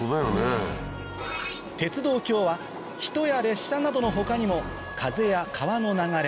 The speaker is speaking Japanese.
鉄道橋は人や列車などの他にも風や川の流れ